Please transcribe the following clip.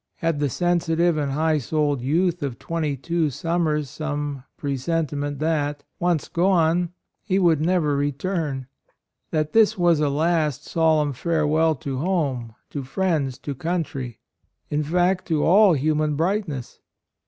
Had the sensitive and high souled youth of twenty two summers some presentiment that, once gone, he would never return; that this was a last solemn fare well to home, to friends, to country, — in fact, to all human brightness?